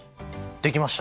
できました！